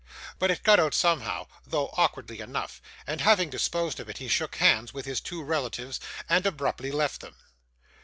But it got out somehow, though awkwardly enough; and having disposed of it, he shook hands with his two relatives, and abruptly left them.